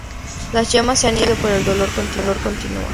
Las llamas se han ido pero el dolor continúa.